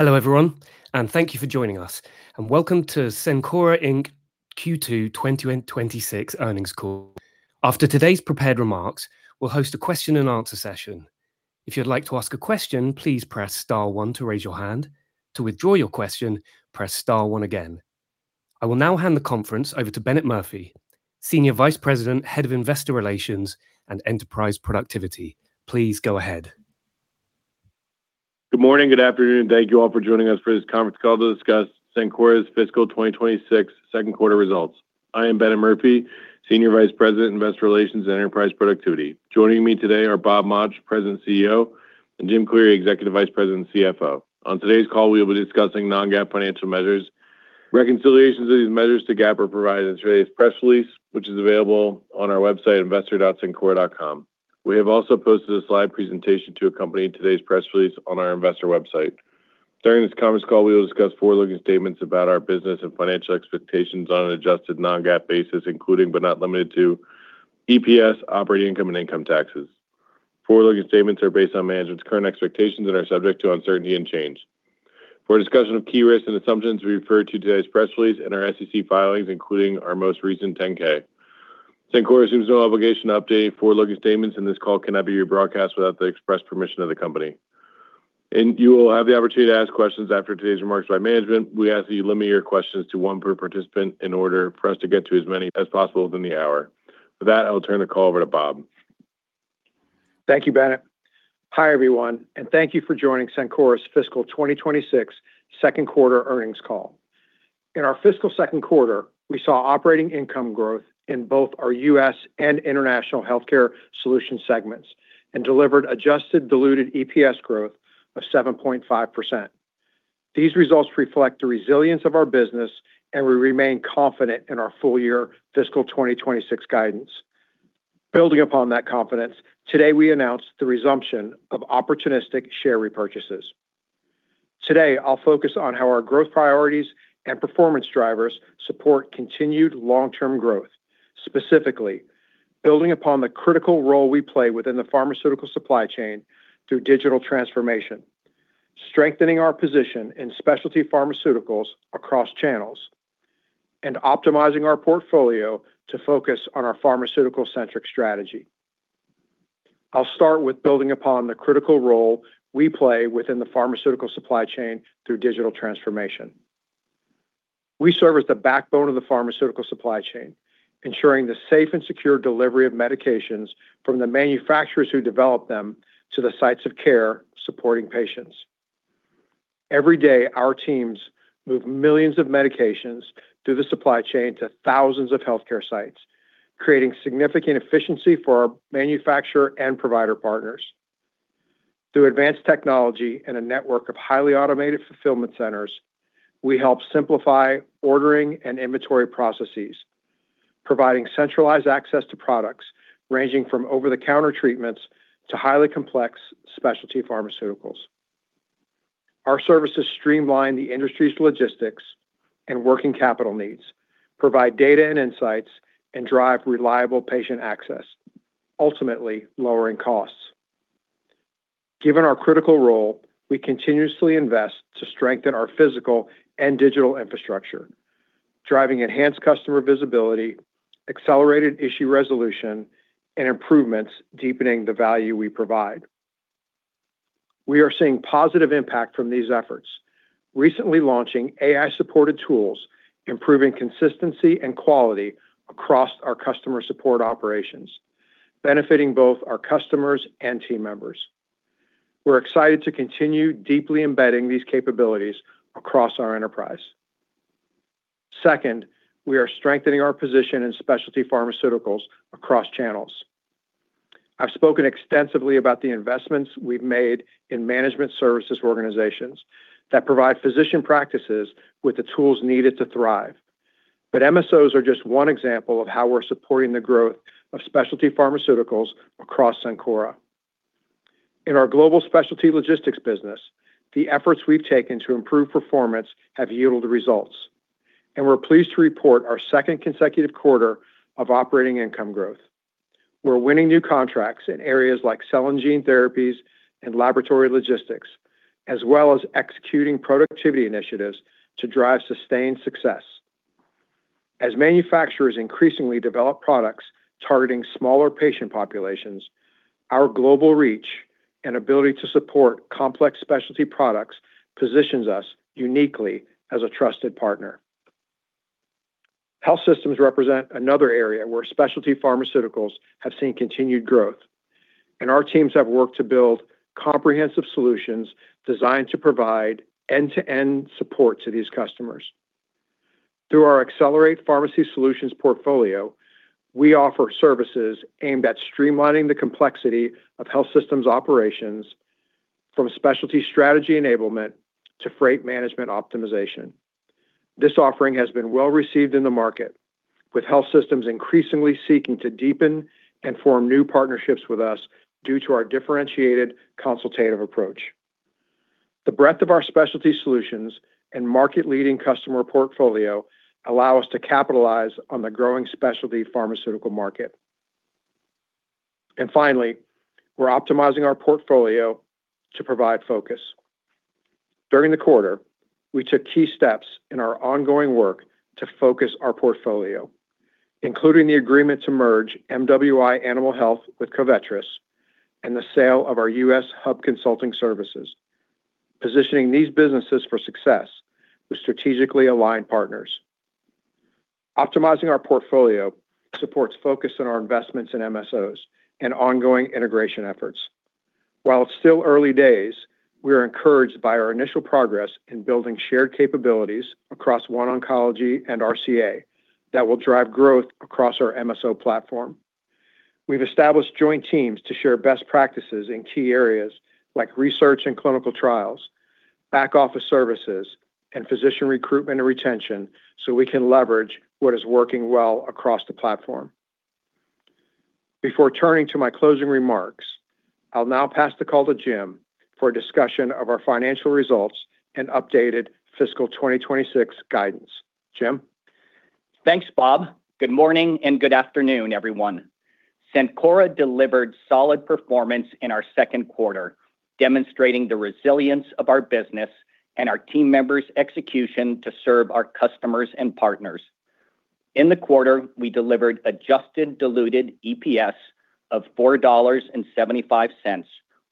Hello everyone, thank you for joining us. Welcome to Cencora Inc. Q2 2026 earnings call. After today's prepared remarks, we'll host a question-and-answer session. If you'd like to ask a question, please press star one to raise your hand. To withdraw your question, press star one again. I will now hand the conference over to Bennett Murphy, Senior Vice President, Head of Investor Relations and Enterprise Productivity. Please go ahead. Good morning. Good afternoon. Thank you all for joining us for this conference call to discuss Cencora's fiscal 2026 second quarter results. I am Bennett Murphy, Senior Vice President, Investor Relations, and Enterprise Productivity. Joining me today are Bob Mauch, President, CEO, and Jim Cleary, Executive Vice President and CFO. On today's call, we'll be discussing non-GAAP financial measures. Reconciliations of these measures to GAAP are provided in today's press release, which is available on our website, investor.cencora.com. We have also posted a slide presentation to accompany today's press release on our investor website. During this conference call, we will discuss forward-looking statements about our business and financial expectations on an adjusted non-GAAP basis, including but not limited to EPS, operating income, and income taxes. Forward-looking statements are based on management's current expectations and are subject to uncertainty and change. For a discussion of key risks and assumptions, we refer to today's press release and our SEC filings, including our most recent 10-K. Cencora assumes no obligation to update forward-looking statements, and this call cannot be rebroadcast without the express permission of the company. You will have the opportunity to ask questions after today's remarks by management. We ask that you limit your questions to one per participant in order for us to get to as many as possible within the hour. For that, I'll turn the call over to Bob. Thank you, Bennett. Hi, everyone, and thank you for joining Cencora's fiscal 2026 second quarter earnings call. In our fiscal second quarter, we saw operating income growth in both our U.S. and International Healthcare Solutions segments and delivered adjusted diluted EPS growth of 7.5%. These results reflect the resilience of our business, and we remain confident in our full-year fiscal 2026 guidance. Building upon that confidence, today we announced the resumption of opportunistic share repurchases. Today, I'll focus on how our growth priorities and performance drivers support continued long-term growth, specifically building upon the critical role we play within the pharmaceutical supply chain through digital transformation, strengthening our position in specialty pharmaceuticals across channels, and optimizing our portfolio to focus on our pharmaceutical-centric strategy. I'll start with building upon the critical role we play within the pharmaceutical supply chain through digital transformation. We serve as the backbone of the pharmaceutical supply chain, ensuring the safe and secure delivery of medications from the manufacturers who develop them to the sites of care supporting patients. Every day, our teams move millions of medications through the supply chain to thousands of healthcare sites, creating significant efficiency for our manufacturer and provider partners. Through advanced technology and a network of highly automated fulfillment centers, we help simplify ordering and inventory processes, providing centralized access to products ranging from over-the-counter treatments to highly complex specialty pharmaceuticals. Our services streamline the industry's logistics and working capital needs, provide data and insights, and drive reliable patient access, ultimately lowering costs. Given our critical role, we continuously invest to strengthen our physical and digital infrastructure, driving enhanced customer visibility, accelerated issue resolution, and improvements deepening the value we provide. We are seeing positive impact from these efforts. Recently launching AI-supported tools, improving consistency and quality across our customer support operations, benefiting both our customers and team members. We're excited to continue deeply embedding these capabilities across our enterprise. We are strengthening our position in specialty pharmaceuticals across channels. I've spoken extensively about the investments we've made in management services organizations that provide physician practices with the tools needed to thrive. MSOs are just one example of how we're supporting the growth of specialty pharmaceuticals across Cencora. In our global specialty logistics business, the efforts we've taken to improve performance have yielded results, and we're pleased to report our second consecutive quarter of operating income growth. We're winning new contracts in areas like cell and gene therapies and laboratory logistics, as well as executing productivity initiatives to drive sustained success. As manufacturers increasingly develop products targeting smaller patient populations, our global reach and ability to support complex specialty products positions us uniquely as a trusted partner. Health systems represent another area where specialty pharmaceuticals have seen continued growth, and our teams have worked to build comprehensive solutions designed to provide end-to-end support to these customers. Through our Accelerate Pharmacy Solutions portfolio, we offer services aimed at streamlining the complexity of health systems operations from specialty strategy enablement to freight management optimization. This offering has been well received in the market, with health systems increasingly seeking to deepen and form new partnerships with us due to our differentiated consultative approach. The breadth of our specialty solutions and market-leading customer portfolio allow us to capitalize on the growing specialty pharmaceutical market. Finally, we're optimizing our portfolio to provide focus. During the quarter, we took key steps in our ongoing work to focus our portfolio, including the agreement to merge MWI Animal Health with Covetrus and the sale of our U.S. hub consulting services, positioning these businesses for success with strategically aligned partners. Optimizing our portfolio supports focus on our investments in MSOs and ongoing integration efforts. While it's still early days, we are encouraged by our initial progress in building shared capabilities across OneOncology and RCA that will drive growth across our MSO platform. We've established joint teams to share best practices in key areas like research and clinical trials, back office services, and physician recruitment and retention, so we can leverage what is working well across the platform. Before turning to my closing remarks, I'll now pass the call to Jim for a discussion of our financial results and updated fiscal 2026 guidance. Jim? Thanks, Bob. Good morning and good afternoon, everyone. Cencora delivered solid performance in our second quarter, demonstrating the resilience of our business and our team members' execution to serve our customers and partners. In the quarter, we delivered adjusted diluted EPS of $4.75,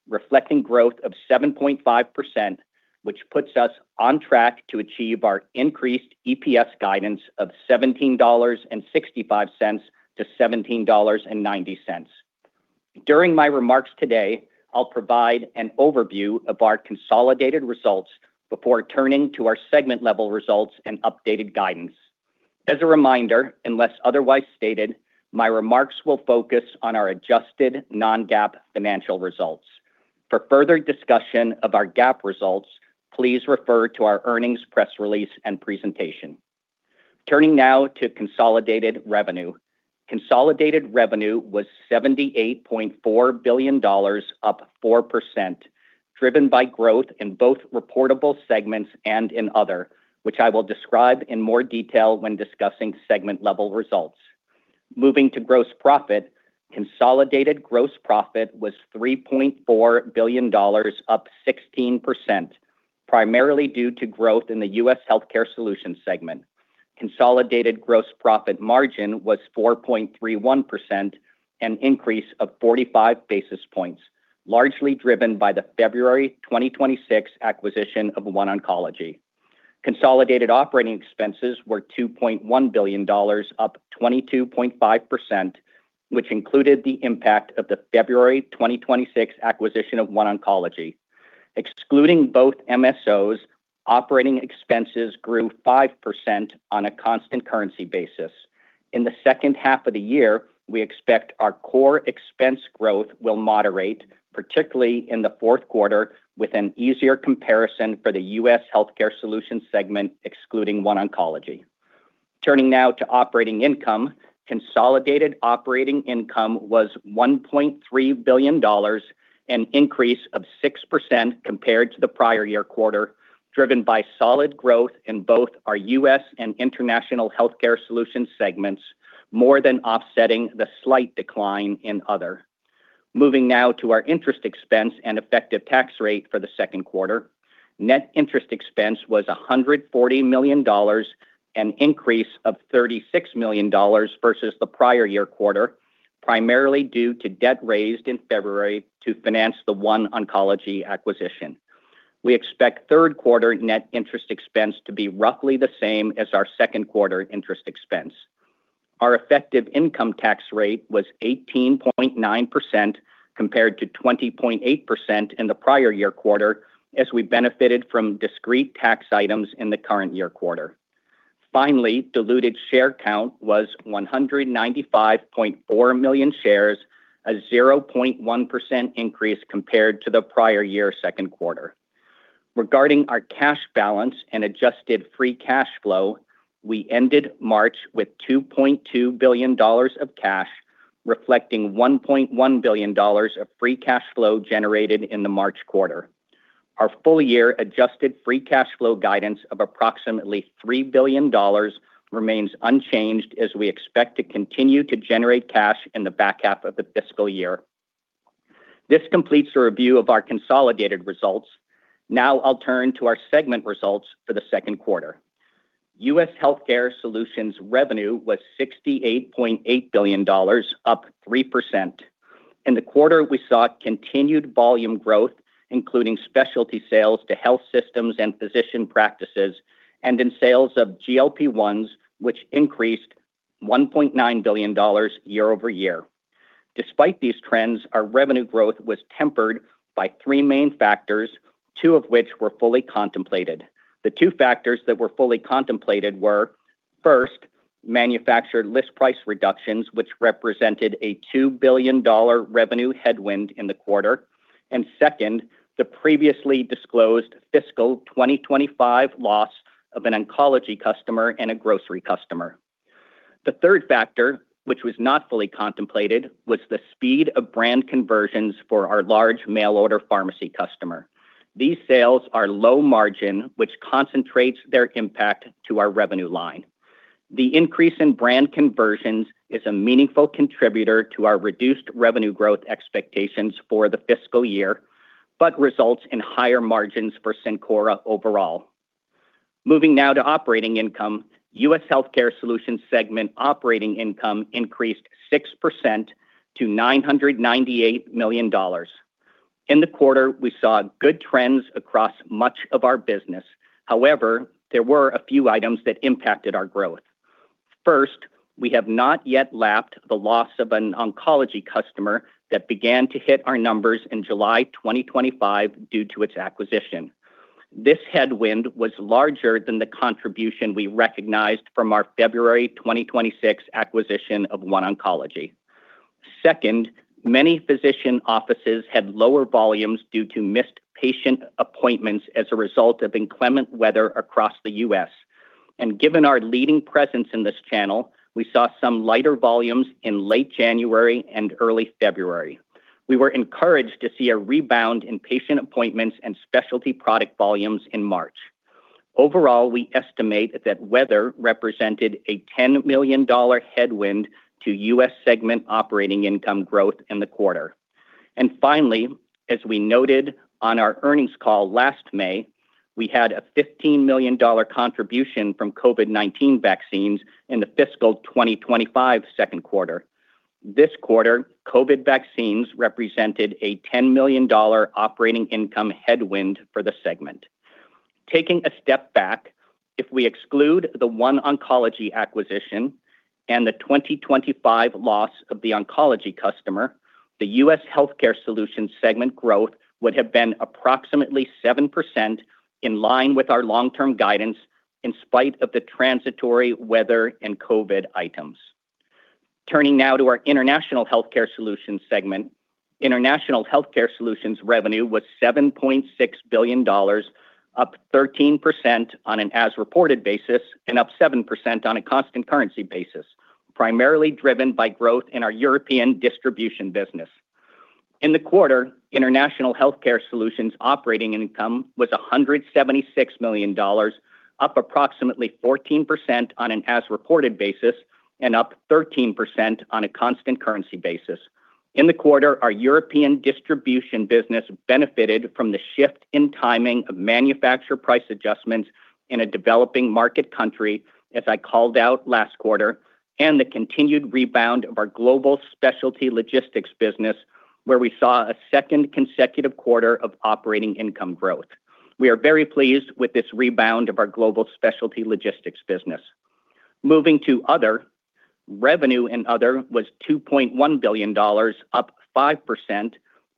reflecting growth of 7.5%, which puts us on track to achieve our increased EPS guidance of $17.65-$17.90. During my remarks today, I'll provide an overview of our consolidated results before turning to our segment-level results and updated guidance. As a reminder, unless otherwise stated, my remarks will focus on our adjusted non-GAAP financial results. For further discussion of our GAAP results, please refer to our earnings press release and presentation. Turning now to consolidated revenue. Consolidated revenue was $78.4 billion, up 4%, driven by growth in both reportable segments and in other, which I will describe in more detail when discussing segment-level results. Moving to gross profit, consolidated gross profit was $3.4 billion, up 16%, primarily due to growth in the U.S. Healthcare Solutions segment. Consolidated gross profit margin was 4.31%, an increase of 45 basis points, largely driven by the February 2026 acquisition of OneOncology. Consolidated operating expenses were $2.1 billion, up 22.5%, which included the impact of the February 2026 acquisition of OneOncology. Excluding both MSOs, operating expenses grew 5% on a constant currency basis. In the second half of the year, we expect our core expense growth will moderate, particularly in the fourth quarter, with an easier comparison for the U.S. Healthcare Solutions segment, excluding OneOncology. Turning now to operating income, consolidated operating income was $1.3 billion, an increase of 6% compared to the prior year quarter, driven by solid growth in both our U.S. and International Healthcare Solutions segments, more than offsetting the slight decline in other. Moving now to our interest expense and effective tax rate for the second quarter. Net interest expense was $140 million, an increase of $36 million versus the prior year quarter, primarily due to debt raised in February to finance the OneOncology acquisition. We expect third quarter net interest expense to be roughly the same as our second quarter interest expense. Our effective income tax rate was 18.9% compared to 20.8% in the prior year quarter, as we benefited from discrete tax items in the current year quarter. Finally, diluted share count was 195.4 million shares, a 0.1% increase compared to the prior year second quarter. Regarding our cash balance and adjusted free cash flow, we ended March with $2.2 billion of cash, reflecting $1.1 billion of free cash flow generated in the March quarter. Our full year adjusted free cash flow guidance of approximately $3 billion remains unchanged as we expect to continue to generate cash in the back half of the fiscal year. This completes the review of our consolidated results. I'll turn to our segment results for the second quarter. U.S. Healthcare Solutions revenue was $68.8 billion, up 3%. In the quarter, we saw continued volume growth, including specialty sales to health systems and physician practices, and in sales of GLP-1s, which increased $1.9 billion year-over-year. Despite these trends, our revenue growth was tempered by three main factors, two of which were fully contemplated. The two factors that were fully contemplated were, first, manufactured list price reductions, which represented a $2 billion revenue headwind in the quarter, and second, the previously disclosed fiscal 2025 loss of an oncology customer and a grocery customer. The third factor, which was not fully contemplated, was the speed of brand conversions for our large mail-order pharmacy customer. These sales are low margin, which concentrates their impact to our revenue line. The increase in brand conversions is a meaningful contributor to our reduced revenue growth expectations for the fiscal year, but results in higher margins for Cencora overall. Moving now to operating income. U.S. Healthcare Solutions segment operating income increased 6% to $998 million. In the quarter, we saw good trends across much of our business. However, there were a few items that impacted our growth. First, we have not yet lapped the loss of an oncology customer that began to hit our numbers in July 2025 due to its acquisition. This headwind was larger than the contribution we recognized from our February 2026 acquisition of OneOncology. Second, many physician offices had lower volumes due to missed patient appointments as a result of inclement weather across the U.S. Given our leading presence in this channel, we saw some lighter volumes in late January and early February. We were encouraged to see a rebound in patient appointments and specialty product volumes in March. Overall, we estimate that weather represented a $10 million headwind to U.S. segment operating income growth in the quarter. Finally, as we noted on our earnings call last May, we had a $15 million contribution from COVID-19 vaccines in the fiscal 2025 second quarter. This quarter, COVID vaccines represented a $10 million operating income headwind for the segment. Taking a step back, if we exclude the OneOncology acquisition and the 2025 loss of the oncology customer, the U.S. Healthcare Solutions segment growth would have been approximately 7% in line with our long-term guidance in spite of the transitory weather and COVID items. Turning now to our International Healthcare Solutions segment. International Healthcare Solutions' revenue was $7.6 billion, up 13% on an as-reported basis and up 7% on a constant currency basis, primarily driven by growth in our European distribution business. In the quarter, International Healthcare Solutions' operating income was $176 million, up approximately 14% on an as-reported basis and up 13% on a constant currency basis. In the quarter, our European distribution business benefited from the shift in timing of manufacturer price adjustments in a developing market country, as I called out last quarter, and the continued rebound of our global specialty logistics business, where we saw a second consecutive quarter of operating income growth. We are very pleased with this rebound of our global specialty logistics business. Moving to other. Revenue in other was $2.1 billion, up 5%,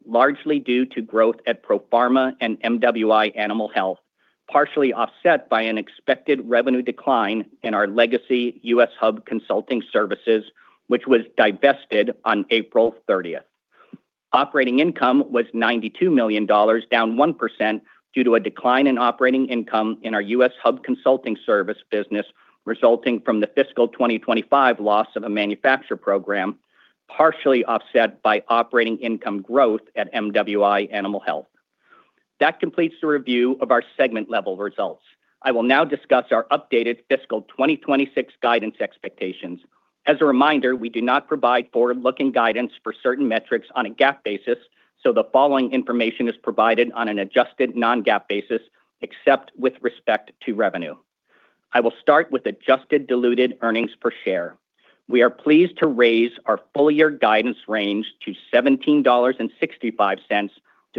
largely due to growth at Profarma and MWI Animal Health, partially offset by an expected revenue decline in our legacy U.S. hub consulting services, which was divested on April 30th. Operating income was $92 million, down 1% due to a decline in operating income in our U.S. hub consulting service business, resulting from the fiscal 2025 loss of a manufacturer program, partially offset by operating income growth at MWI Animal Health. That completes the review of our segment-level results. I will now discuss our updated fiscal 2026 guidance expectations. As a reminder, we do not provide forward-looking guidance for certain metrics on a GAAP basis, so the following information is provided on an adjusted non-GAAP basis, except with respect to revenue. I will start with adjusted diluted earnings per share. We are pleased to raise our full-year guidance range to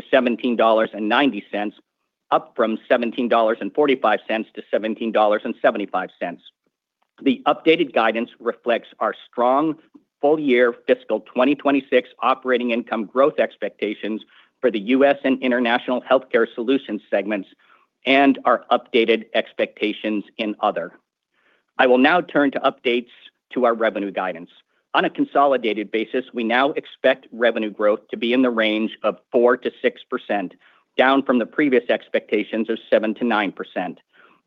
$17.65-$17.90, up from $17.45-$17.75. The updated guidance reflects our strong full-year fiscal 2026 operating income growth expectations for the U.S. and International Healthcare Solutions segments and our updated expectations in other. I will now turn to updates to our revenue guidance. On a consolidated basis, we now expect revenue growth to be in the range of 4%-6%, down from the previous expectations of 7%-9%.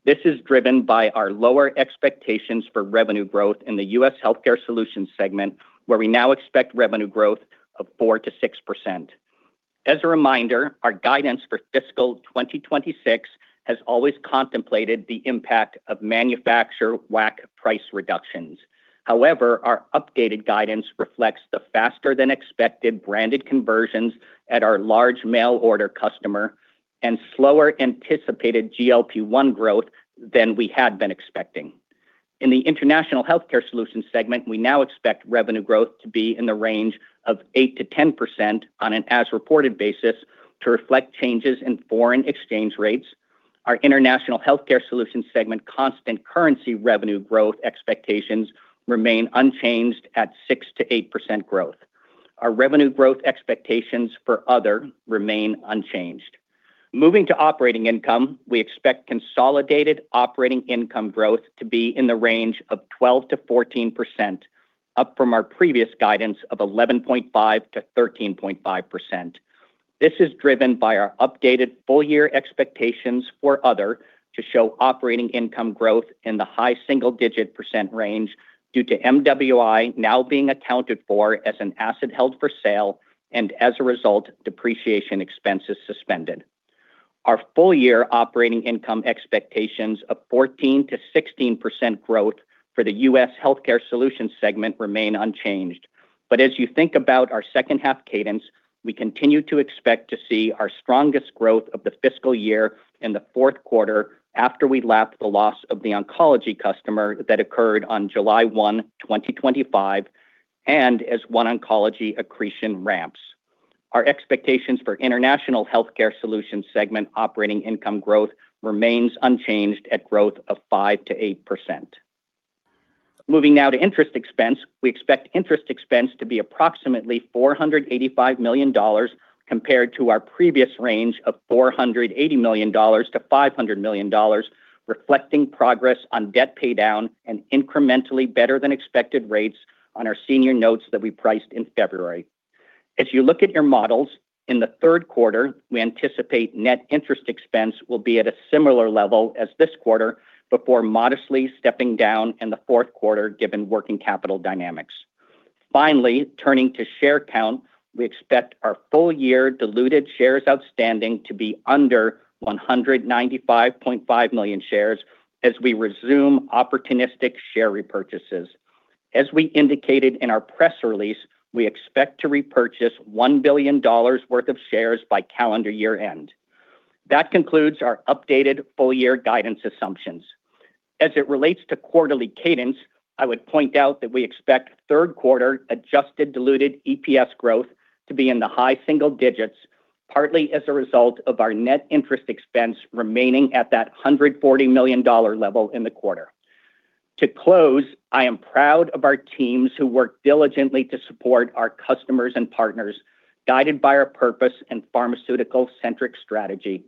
This is driven by our lower expectations for revenue growth in the U.S. Healthcare Solutions segment, where we now expect revenue growth of 4%-6%. As a reminder, our guidance for fiscal 2026 has always contemplated the impact of manufacturer WAC price reductions. Our updated guidance reflects the faster-than-expected branded conversions at our large mail order customer and slower anticipated GLP-1 growth than we had been expecting. In the International Healthcare Solutions segment, we now expect revenue growth to be in the range of 8%-10% on an as-reported basis to reflect changes in foreign exchange rates. Our International Healthcare Solutions segment constant currency revenue growth expectations remain unchanged at 6%-8% growth. Our revenue growth expectations for other remain unchanged. Moving to operating income, we expect consolidated operating income growth to be in the range of 12%-14%, up from our previous guidance of 11.5%-13.5%. This is driven by our updated full-year expectations for other to show operating income growth in the high single-digit percent range due to MWI now being accounted for as an asset held for sale and, as a result, depreciation expense is suspended. Our full year operating income expectations of 14%-16% growth for the U.S. Healthcare Solutions segment remain unchanged. As you think about our second half cadence, we continue to expect to see our strongest growth of the fiscal year in the fourth quarter after we lap the loss of the oncology customer that occurred on July 1, 2025, and as OneOncology accretion ramps. Our expectations for International Healthcare Solutions segment operating income growth remains unchanged at growth of 5%-8%. Moving now to interest expense. We expect interest expense to be approximately $485 million compared to our previous range of $480 million-$500 million, reflecting progress on debt paydown and incrementally better than expected rates on our senior notes that we priced in February. As you look at your models, in the third quarter, we anticipate net interest expense will be at a similar level as this quarter before modestly stepping down in the fourth quarter, given working capital dynamics. Finally, turning to share count, we expect our full-year diluted shares outstanding to be under 195.5 million shares as we resume opportunistic share repurchases. As we indicated in our press release, we expect to repurchase $1 billion worth of shares by calendar year end. That concludes our updated full-year guidance assumptions. As it relates to quarterly cadence, I would point out that we expect third-quarter adjusted diluted EPS growth to be in the high single digits, partly as a result of our net interest expense remaining at that $140 million level in the quarter. To close, I am proud of our teams who work diligently to support our customers and partners, guided by our purpose and pharmaceutical-centric strategy.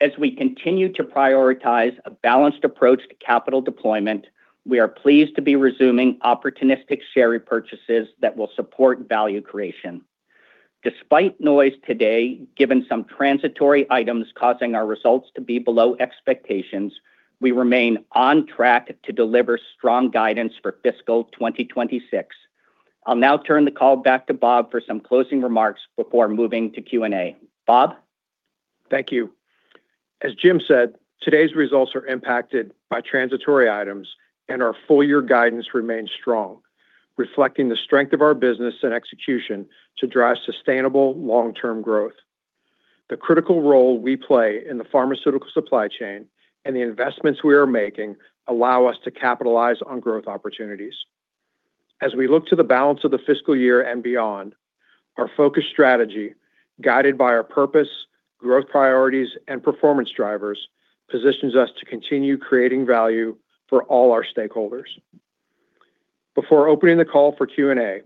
As we continue to prioritize a balanced approach to capital deployment, we are pleased to be resuming opportunistic share repurchases that will support value creation. Despite noise today, given some transitory items causing our results to be below expectations, we remain on track to deliver strong guidance for fiscal 2026. I'll now turn the call back to Bob for some closing remarks before moving to Q&A, Bob? Thank you. As Jim said, today's results are impacted by transitory items, and our full-year guidance remains strong, reflecting the strength of our business and execution to drive sustainable long-term growth. The critical role we play in the pharmaceutical supply chain and the investments we are making allow us to capitalize on growth opportunities. As we look to the balance of the fiscal year and beyond, our focused strategy, guided by our purpose, growth priorities, and performance drivers, positions us to continue creating value for all our stakeholders. Before opening the call for Q&A,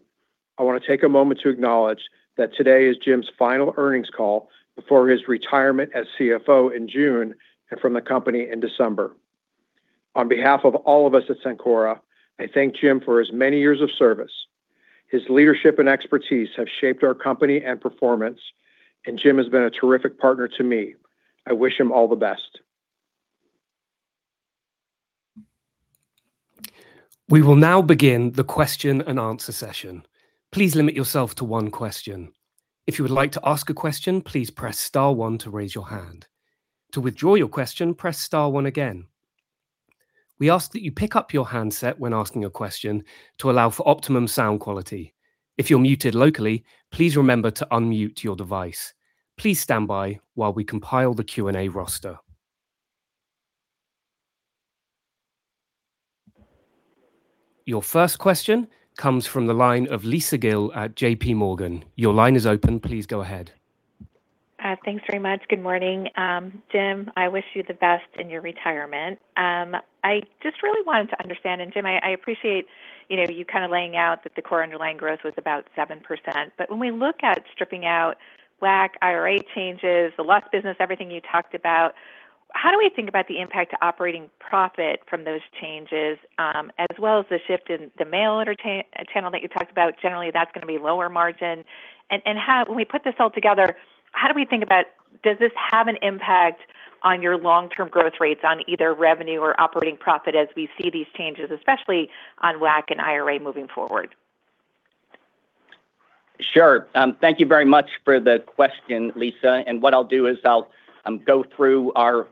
I want to take a moment to acknowledge that today is Jim's final earnings call before his retirement as CFO in June and from the company in December. On behalf of all of us at Cencora, I thank Jim for his many years of service. His leadership and expertise have shaped our company and performance, and Jim has been a terrific partner to me. I wish him all the best. We will now begin the question and answer session. Please limit yourself to one question. If you would like to ask a question, please press star one to raise your hand. To withdraw your question, press star one again. We ask that you pick up your handset when asking a question to allow for optimum sound quality. If you're muted locally, please remember to unmute your device. Please stand by while we compile the Q&A roster. Your first question comes from the line of Lisa Gill at JPMorgan. Your line is open. Please go ahead. Thanks very much. Good morning. Jim, I wish you the best in your retirement. I just really wanted to understand, and Jim, I appreciate, you know, you kind of laying out that the core underlying growth was about 7%. When we look at stripping out WAC, IRA changes, the U.S. business, everything you talked about, how do we think about the impact to operating profit from those changes, as well as the shift in the mail channel that you talked about? Generally, that's gonna be lower margin. When we put this all together, how do we think about does this have an impact on your long-term growth rates on either revenue or operating profit as we see these changes, especially on WAC and IRA moving forward? Sure. Thank you very much for the question, Lisa. What I'll do is I'll go through our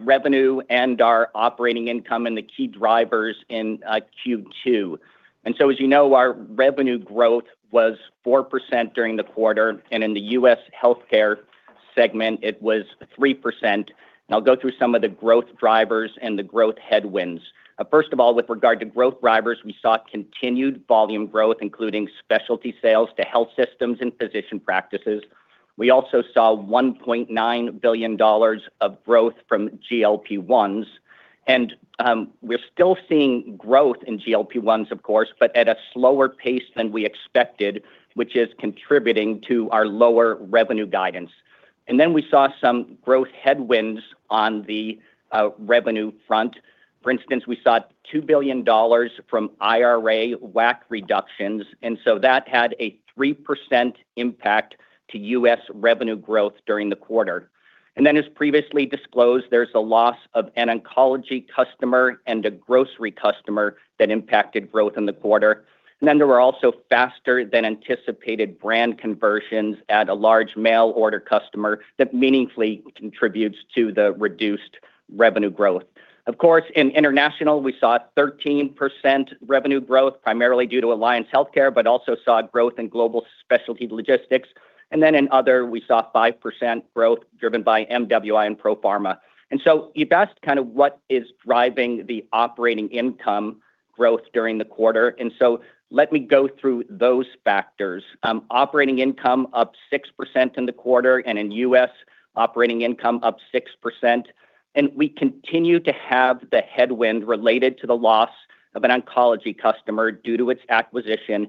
revenue and our operating income and the key drivers in Q2. As you know, our revenue growth was 4% during the quarter, and in the U.S. healthcare segment, it was 3%. I'll go through some of the growth drivers and the growth headwinds. First of all, with regard to growth drivers, we saw continued volume growth, including specialty sales to health systems and physician practices. We also saw $1.9 billion of growth from GLP-1s. We're still seeing growth in GLP-1s, of course, but at a slower pace than we expected, which is contributing to our lower revenue guidance. Then we saw some growth headwinds on the revenue front. For instance, we saw $2 billion from IRA WAC reductions, that had a 3% impact to U.S. revenue growth during the quarter. As previously disclosed, there's a loss of an oncology customer and a grocery customer that impacted growth in the quarter. There were also faster-than-anticipated brand conversions at a large mail-order customer that meaningfully contributes to the reduced revenue growth. In international, we saw 13% revenue growth, primarily due to Alliance Healthcare, but also saw growth in global specialty logistics. In other, we saw 5% growth driven by MWI and Profarma. You asked kind of what is driving the operating income growth during the quarter. Let me go through those factors. Operating income up 6% in the quarter, and in U.S., operating income up 6%. We continue to have the headwind related to the loss of an oncology customer due to its acquisition.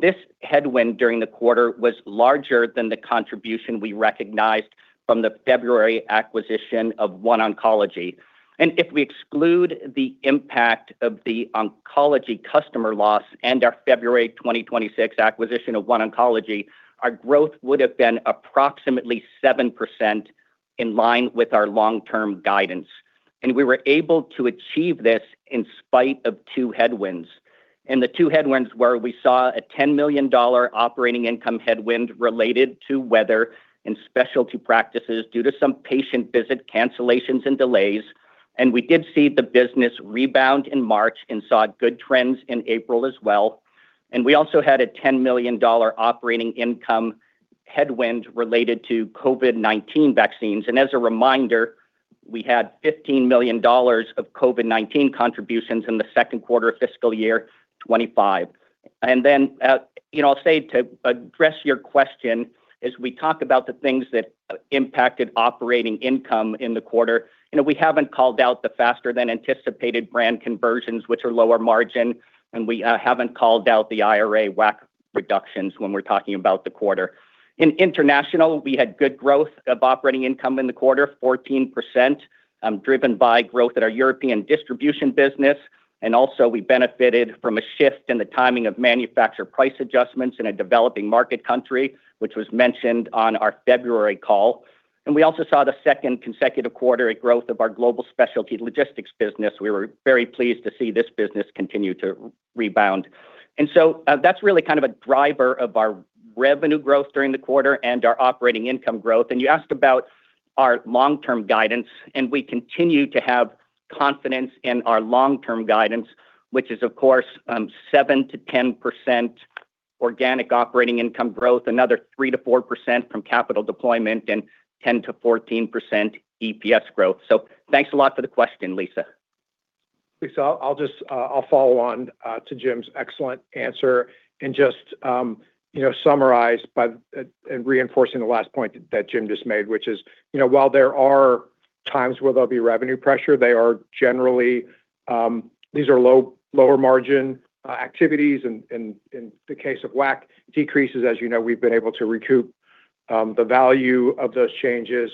This headwind during the quarter was larger than the contribution we recognized from the February acquisition of OneOncology. If we exclude the impact of the oncology customer loss and our February 2026 acquisition of OneOncology, our growth would have been approximately 7%, in line with our long-term guidance. We were able to achieve this in spite of two headwinds. The two headwinds were: we saw a $10 million operating income headwind related to weather and specialty practices due to some patient visit cancellations and delays; we did see the business rebound in March and saw good trends in April as well. We also had a $10 million operating income headwind related to COVID-19 vaccines. As a reminder, we had $15 million of COVID-19 contributions in the second quarter of FY 2025. You know, I'll say to address your question, as we talk about the things that impacted operating income in the quarter, you know, we haven't called out the faster-than-anticipated brand conversions, which are lower margin, and we haven't called out the IRA WAC reductions when we're talking about the quarter. In International, we had good growth of operating income in the quarter, 14%, driven by growth at our European distribution business. Also, we benefited from a shift in the timing of manufacturer price adjustments in a developing market country, which was mentioned on our February call. We also saw the second consecutive quarter of growth of our global specialty logistics business. We were very pleased to see this business continue to rebound. That's really kind of a driver of our revenue growth during the quarter and our operating income growth. You asked about our long-term guidance, and we continue to have confidence in our long-term guidance, which is, of course, 7%-10% organic operating income growth, another 3%-4% from capital deployment, and 10%-14% EPS growth. Thanks a lot for the question, Lisa. Lisa, I'll just, I'll follow on to Jim's excellent answer and just, you know, summarize by in reinforcing the last point that Jim just made, which is, you know, while there are times where there'll be revenue pressure, they are generally, these are lower margin activities. In the case of WAC decreases, as you know, we've been able to recoup the value of those changes.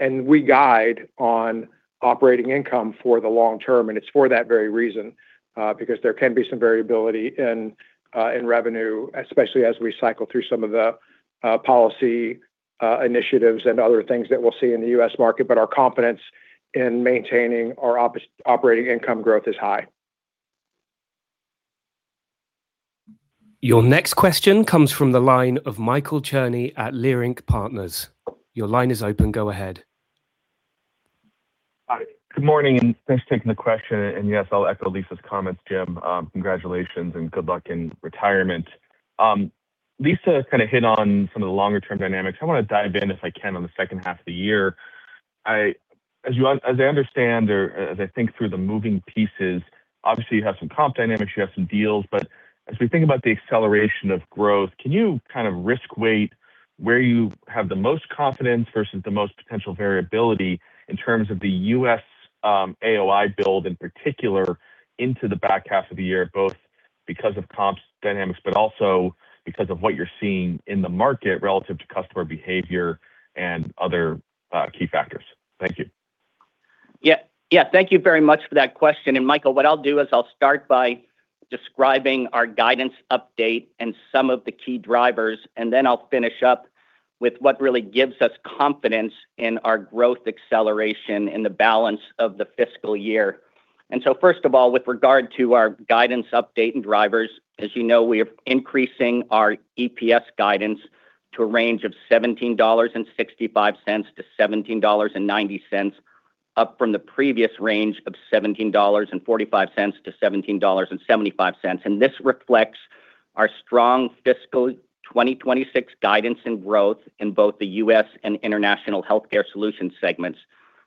We guide on operating income for the long term, and it's for that very reason, because there can be some variability in revenue, especially as we cycle through some of the policy initiatives and other things that we'll see in the U.S. market, but our confidence in maintaining our operating income growth is high. Your next question comes from the line of Michael Cherny at Leerink Partners. Your line is open. Go ahead. Hi. Good morning. Thanks for taking the question. Yes, I'll echo Lisa's comments, Jim. Congratulations and good luck in retirement. Lisa kind of hit on some of the longer-term dynamics. I wanna dive in, if I can, on the second half of the year. As I understand or as I think through the moving pieces, obviously you have some comp dynamics, you have some deals, but as we think about the acceleration of growth, can you kind of risk weight where you have the most confidence versus the most potential variability in terms of the U.S. AOI build, in particular, into the back half of the year, both because of comps dynamics but also because of what you're seeing in the market relative to customer behavior and other key factors? Thank you. Yeah. Thank you very much for that question. Michael, what I'll do is I'll start by describing our guidance update and some of the key drivers, then I'll finish up with what really gives us confidence in our growth acceleration in the balance of the fiscal year. First of all, with regard to our guidance update and drivers, as you know, we are increasing our EPS guidance to a range of $17.65-$17.90, up from the previous range of $17.45-$17.75. This reflects our strong fiscal 2026 guidance and growth in both the U.S. Healthcare Solutions and International Healthcare Solutions segments.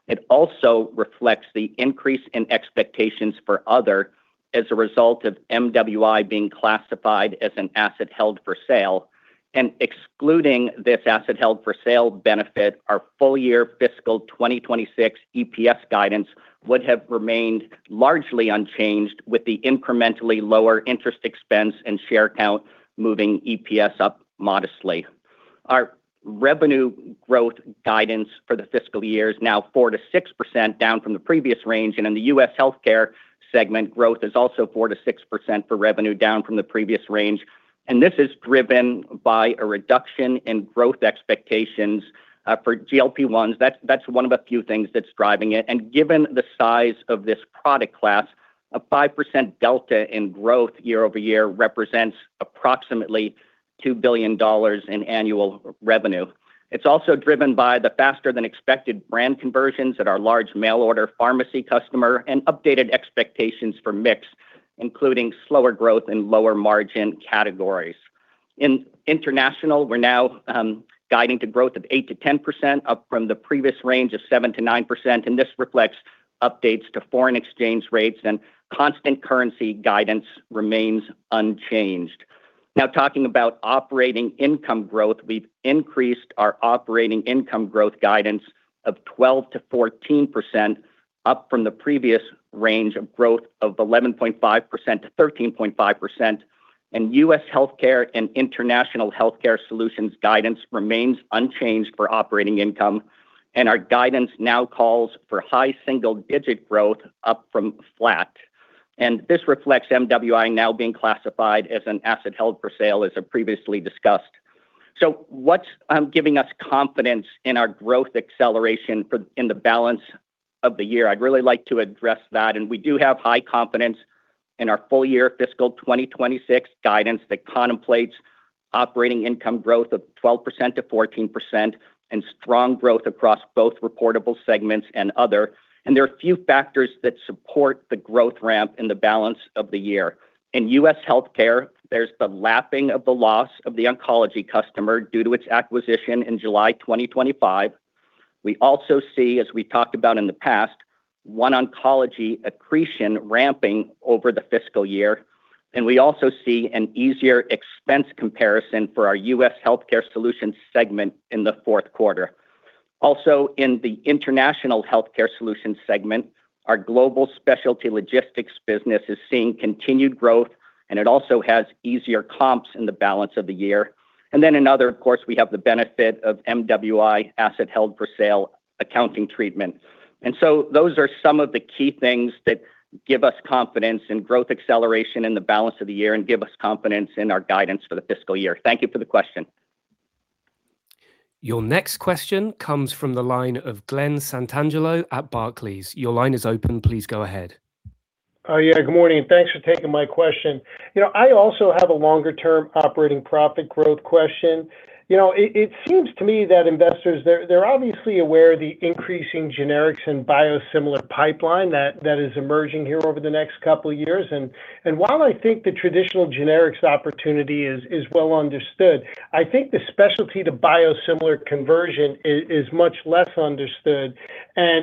It also reflects the increase in expectations for other as a result of MWI being classified as an asset held for sale. Excluding this asset held for sale benefit, our full-year fiscal 2026 EPS guidance would have remained largely unchanged, with the incrementally lower interest expense and share count moving EPS up modestly. Our revenue growth guidance for the fiscal year is now 4%-6%, down from the previous range. In the U.S. Healthcare Solutions segment, growth is also 4%-6% for revenue, down from the previous range. This is driven by a reduction in growth expectations for GLP-1s. That's one of a few things that's driving it. Given the size of this product class A 5% delta in growth year-over-year represents approximately $2 billion in annual revenue. It's also driven by the faster than expected brand conversions at our large mail-order pharmacy customer and updated expectations for mix, including slower growth and lower margin categories. In International, we're now guiding to growth of 8%-10%, up from the previous range of 7%-9%. This reflects updates to foreign exchange rates, and constant currency guidance remains unchanged. Now talking about operating income growth, we've increased our operating income growth guidance of 12%-14%, up from the previous range of growth of 11.5%-13.5%. U.S. Healthcare and International Healthcare Solutions guidance remains unchanged for operating income. Our guidance now calls for high single-digit growth, up from flat. This reflects MWI now being classified as an asset held for sale, as previously discussed. What's giving us confidence in our growth acceleration for the balance of the year? I'd really like to address that. We do have high confidence in our full year fiscal 2026 guidance that contemplates operating income growth of 12%-14% and strong growth across both reportable segments and other. There are a few factors that support the growth ramp in the balance of the year. In U.S. Healthcare, there's the lapping of the loss of the oncology customer due to its acquisition in July 2025. We also see, as we talked about in the past, OneOncology accretion ramping over the fiscal year. We also see an easier expense comparison for our U.S. Healthcare Solutions segment in the fourth quarter. Also, in the International Healthcare Solutions segment, our global specialty logistics business is seeing continued growth, and it also has easier comps in the balance of the year. Another, of course, we have the benefit of MWI asset held for sale accounting treatment. Those are some of the key things that give us confidence in growth acceleration in the balance of the year and give us confidence in our guidance for the fiscal year. Thank you for the question. Your next question comes from the line of Glen Santangelo at Barclays. Your line is open. Please go ahead. Yeah, good morning. Thanks for taking my question. You know, I also have a longer-term operating profit growth question. You know, it seems to me that investors, they're obviously aware of the increasing generics and biosimilar pipeline that is emerging here over the next couple years. While I think the traditional generics opportunity is well understood, I think the specialty to biosimilar conversion is much less understood.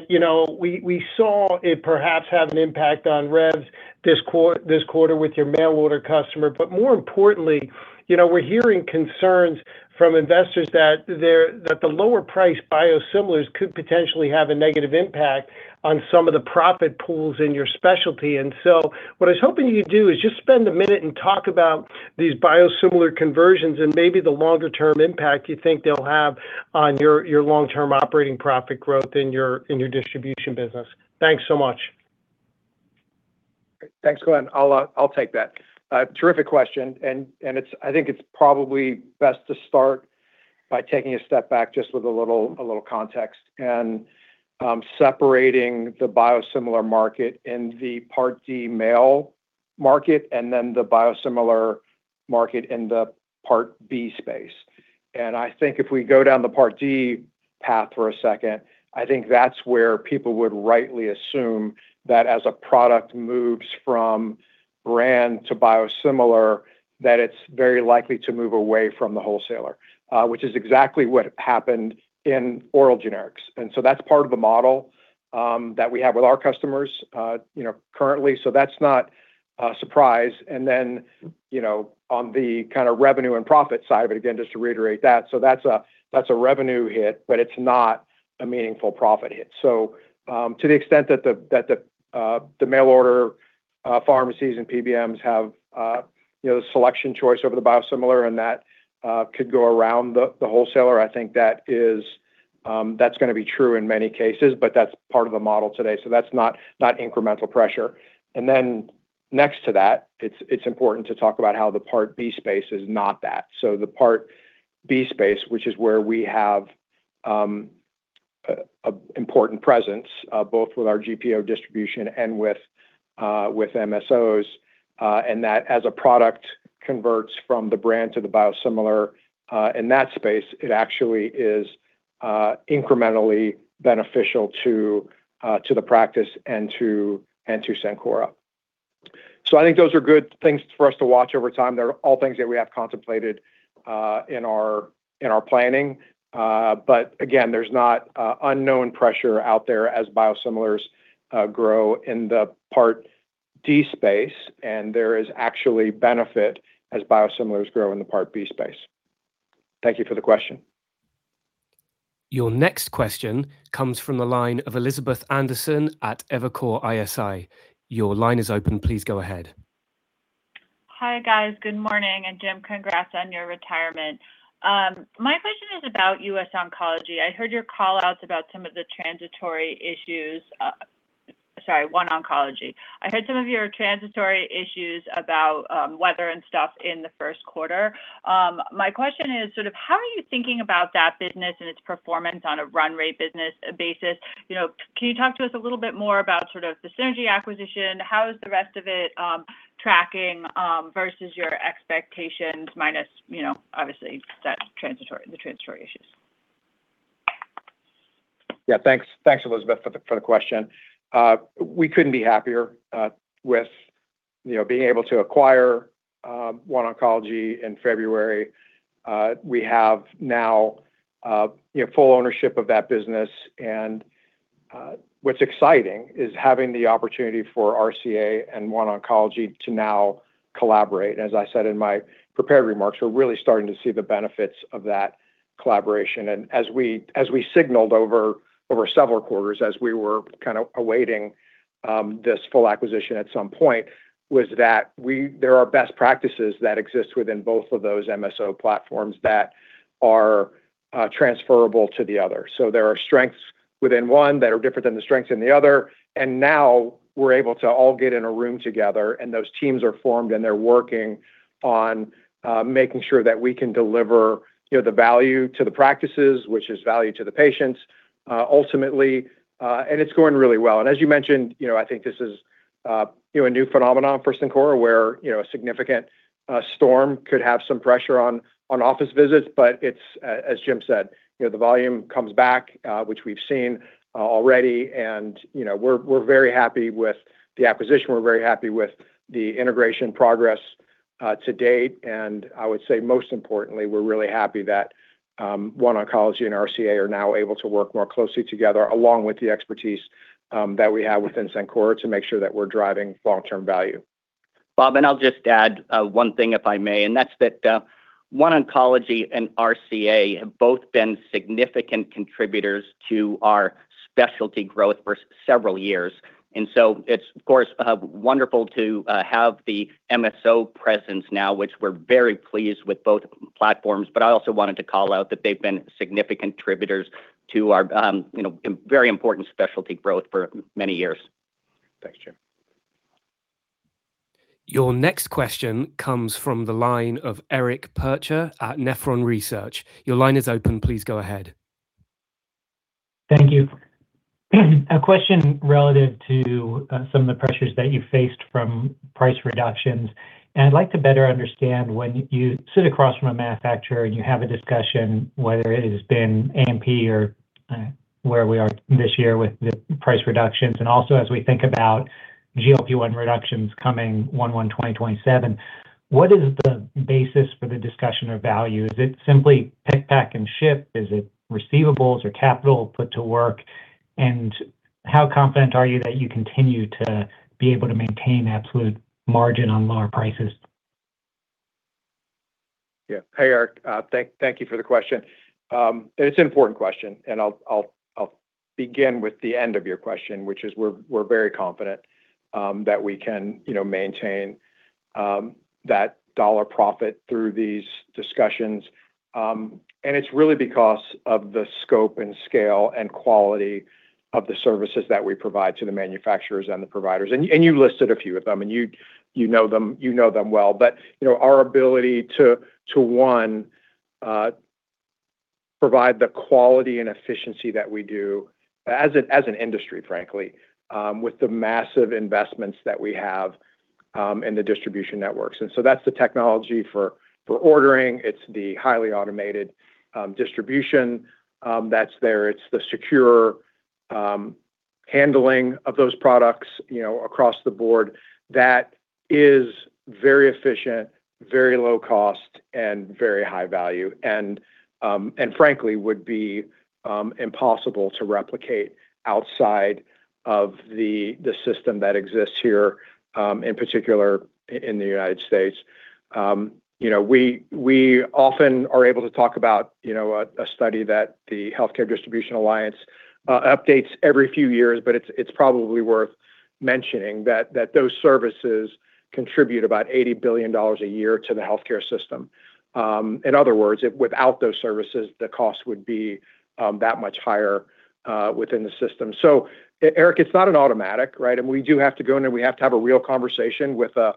You know, we saw it perhaps have an impact on revs this quarter with your mail order customer. More importantly, you know, we're hearing concerns from investors that the lower price biosimilars could potentially have a negative impact on some of the profit pools in your specialty. What I was hoping you'd do is just spend a minute and talk about these biosimilar conversions and maybe the longer-term impact you think they'll have on your long-term operating profit growth in your distribution business. Thanks so much. Thanks, Glen. I'll take that. Terrific question, and it's, I think it's probably best to start by taking a step back, just with a little, a little context and separating the biosimilar market in the Part D mail market and then the biosimilar market in the Part B space. I think if we go down the Part D path for a second, I think that's where people would rightly assume that as a product moves from brand to biosimilar, that it's very likely to move away from the wholesaler, which is exactly what happened in oral generics. That's part of the model that we have with our customers, you know, currently. That's not a surprise. You know, on the kinda revenue and profit side of it, again, just to reiterate that's a, that's a revenue hit, but it's not a meaningful profit hit. To the extent that the mail order pharmacies and PBMs have, you know, selection choice over the biosimilar and that could go around the wholesaler, I think that's gonna be true in many cases, but that's part of the model today. That's not incremental pressure. Next to that, it's important to talk about how the Part B space is not that. The Part B space, which is where we have a important presence, both with our GPO distribution and with MSOs, and that, as a product converts from the brand to the biosimilar, in that space, it actually is incrementally beneficial to the practice and to Cencora. I think those are good things for us to watch over time. They're all things that we have contemplated in our planning. But again, there's not unknown pressure out there as biosimilars grow in the Part D space, and there is actually benefit as biosimilars grow in the Part B space. Thank you for the question. Your next question comes from the line of Elizabeth Anderson at Evercore ISI. Your line is open. Please go ahead. Hi, guys. Good morning. Jim, congrats on your retirement. My question is about U.S. Oncology. I heard your call-outs about some of the transitory issues. Sorry, OneOncology. I heard some of your transitory issues about weather and stuff in the first quarter. My question is, sort of, how are you thinking about that business and its performance on a run rate business basis? You know, can you talk to us a little bit more about sort of the acquisition? How is the rest of it tracking versus your expectations, minus, you know, obviously that transitory issues? Yeah, thanks. Thanks, Elizabeth, for the question. We couldn't be happier with, you know, being able to acquire OneOncology in February. We have now, you know, full ownership of that business and what's exciting is having the opportunity for RCA and OneOncology to now collaborate. As I said in my prepared remarks, we're really starting to see the benefits of that collaboration. As we signaled over several quarters, as we were kind of awaiting this full acquisition at some point, was that there are best practices that exist within both of those MSO platforms that are transferable to the other. There are strengths within one that are different than the strengths in the other, and now we're able to all get in a room together, and those teams are formed, and they're working on making sure that we can deliver, you know, the value to the practices, which is value to the patients, ultimately. It's going really well. As you mentioned, you know, I think this is, you know, a new phenomenon for Cencora where, you know, a significant storm could have some pressure on office visits. It's, as Jim said, you know, the volume comes back, which we've seen already. You know, we're very happy with the acquisition. We're very happy with the integration progress to date. I would say most importantly, we're really happy that OneOncology and RCA are now able to work more closely together, along with the expertise that we have within Cencora to make sure that we're driving long-term value. Bob, I'll just add one thing if I may, and that's that, OneOncology and RCA have both been significant contributors to our specialty growth for several years. It's, of course, wonderful to have the MSO presence now, which we're very pleased with both platforms. I also wanted to call out that they've been significant contributors to our, you know, very important specialty growth for many years. Thanks, Jim. Your next question comes from the line of Eric Percher at Nephron Research. Your line is open. Please go ahead. Thank you. A question relative to some of the pressures that you faced from price reductions. I'd like to better understand when you sit across from a manufacturer, and you have a discussion, whether it has been AMP or where we are this year with the price reductions. Also, as we think about GLP-1 reductions coming 1/1/2027, what is the basis for the discussion of value? Is it simply pick, pack, and ship? Is it receivables or capital put to work? How confident are you that you continue to be able to maintain absolute margin on lower prices? Yeah. Hey, Eric. Thank you for the question. It's an important question, and I'll begin with the end of your question, which is we're very confident that we can, you know, maintain that dollar profit through these discussions. It's really because of the scope and scale, and quality of the services that we provide to the manufacturers and the providers. You listed a few of them, and you know them well. You know, our ability to one provide the quality and efficiency that we do as an industry, frankly, with the massive investments that we have in the distribution networks. That's the technology for ordering. It's the highly automated distribution that's there. It's the secure handling of those products, you know, across the board that is very efficient, very low cost, and very high value and frankly would be impossible to replicate outside of the system that exists here in particular in the United States. We often are able to talk about, you know, a study that the Healthcare Distribution Alliance updates every few years, it's probably worth mentioning that those services contribute about $80 billion a year to the healthcare system. In other words, without those services, the cost would be that much higher within the system. Eric, it's not an automatic, right? We do have to go in there; we have to have a real conversation with a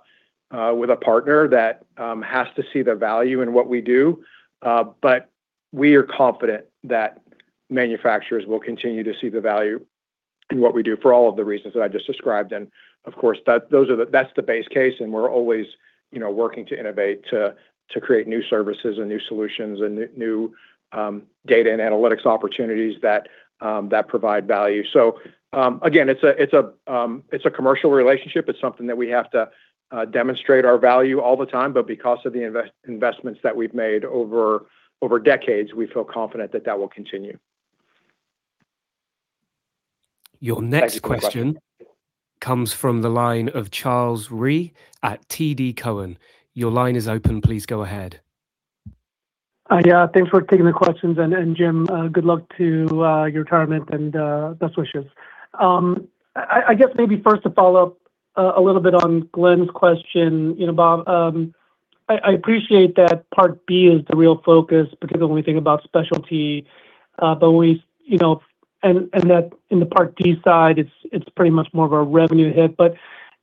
partner that has to see the value in what we do. We are confident that manufacturers will continue to see the value in what we do for all of the reasons that I just described. Of course, that's the base case, and we're always, you know, working to innovate to create new services and new solutions and new data and analytics opportunities that provide value. Again, it's a commercial relationship. It's something that we have to demonstrate our value all the time, but because of the investments that we've made over decades, we feel confident that that will continue. Your next question comes from the line of Charles Rhyee at TD Cowen. Your line is open. Please go ahead. Yeah, thanks for taking the questions, and Jim, good luck to your retirement and best wishes. I guess maybe first to follow up a little bit on Glen's question, you know, Bob, I appreciate that Part B is the real focus because when we think about specialty, but we, you know, and that in the Part D side, it's pretty much more of a revenue hit.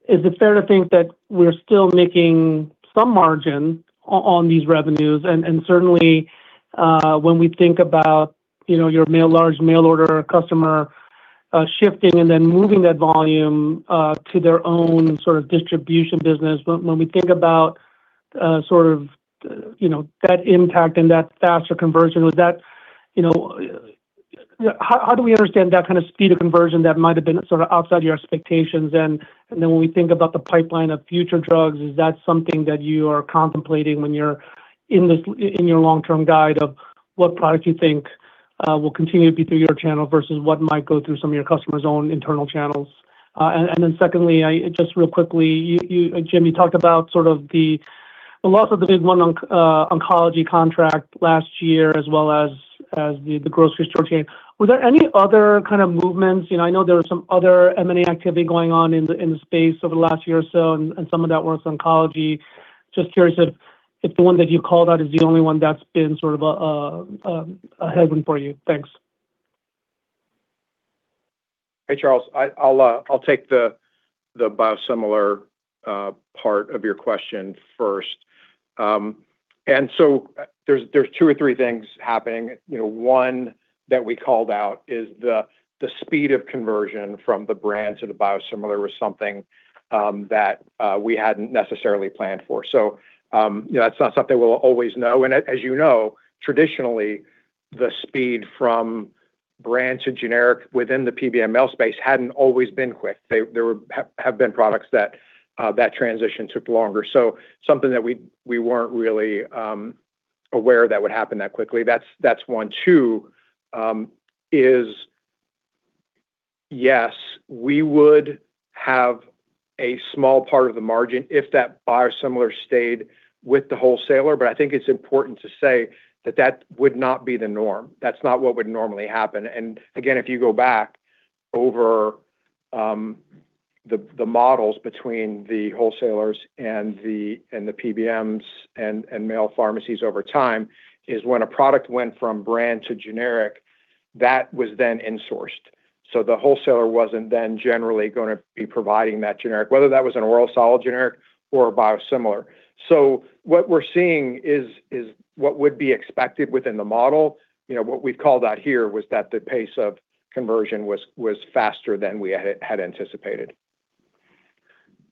Is it fair to think that we're still making some margin on these revenues, and certainly, when we think about, you know, your mail, large mail order customer, shifting and then moving that volume to their own sort of distribution business? When we think about sort of, you know, that impact and that faster conversion, was that, you know, how do we understand that kind of speed of conversion that might have been sort of outside your expectations? When we think about the pipeline of future drugs, is that something that you are contemplating when you're in this, in your long-term guide of what products you think will continue to be through your channel versus what might go through some of your customers' own internal channels? Secondly, I just real quickly, Jim, you talked about sort of the loss of the big OneOncology contract last year, as well as the grocery store chain. Were there any other kind of movements? You know, I know there were some other M&A activity going on in the space over the last year or so, and some of that was oncology. Just curious if the one that you called out is the only one that's been sort of a headwind for you. Thanks. Hey, Charles. I'll take the biosimilar part of your question first. There's two or three things happening. You know, one that we called out is the speed of conversion from the brand to the biosimilar was something that we hadn't necessarily planned for. You know, that's not something we'll always know. As you know, traditionally, the speed from brand to generic within the PBM mail space hadn't always been quick. There have been products that transition took longer. Something that we weren't really aware that would happen that quickly. That's one. Two, yes, we would have a small part of the margin if that biosimilar stayed with the wholesaler. I think it's important to say that that would not be the norm. That's not what would normally happen. Again, if you go back over the models between the wholesalers and the PBMs and mail pharmacies over time, is when a product went from brand to generic, that was then insourced. The wholesaler wasn't then generally gonna be providing that generic, whether that was an oral solid generic or a biosimilar. What we're seeing is what would be expected within the model. You know, what we'd call that here was that the pace of conversion was faster than we had anticipated.